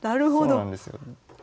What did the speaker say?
そうなんですよ。